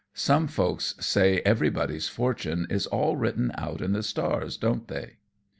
Some folks say everybody's fortune is all written out in the stars, don't they?"